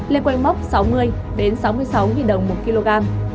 lên quanh mốc sáu mươi sáu mươi sáu đồng một kg